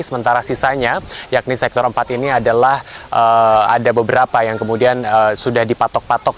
sementara sisanya yakni sektor empat ini adalah ada beberapa titik yang terdengar